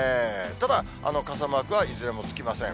ただ、傘マークはいずれもつきません。